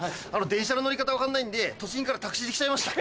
電車の乗り方分かんないんで栃木からタクシーで来ちゃいました。